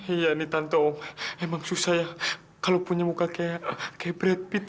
iya nih tante om emang susah ya kalo punya muka kayak brad pitt